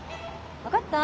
分かった？